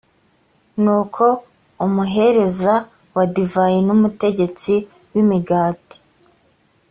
nuko umuhereza wa divayi n umutetsi w imigati